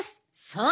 そう！